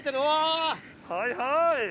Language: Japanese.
はいはい！